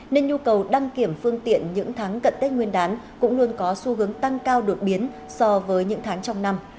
nên nhu cầu đăng kiểm phương tiện những tháng cận tết nguyên đán cũng luôn có xu hướng tăng cao đột biến so với những tháng trong năm